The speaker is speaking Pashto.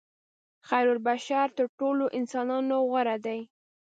خیرالبشر تر ټولو انسانانو غوره دي.